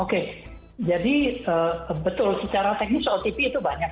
oke jadi betul secara teknis otp itu banyak